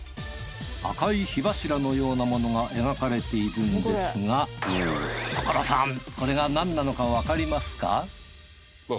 赤い火柱のようなものが描かれているんですが所さんコレが何なのかわかりますか？